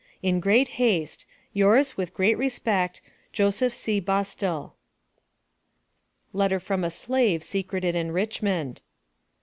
In great haste, Yours with great respect, Jos. C. BUSTILL, LETTER FROM A SLAVE SECRETED IN RICHMOND.